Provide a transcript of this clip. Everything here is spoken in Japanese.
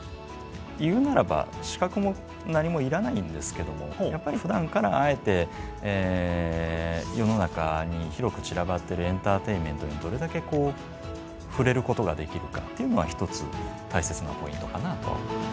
言うならば資格も何もいらないんですけどもやっぱりふだんからあえて世の中に広く散らばっているエンターテインメントにどれだけこう触れることができるかっていうのが一つたいせつなポイントかなとは思います。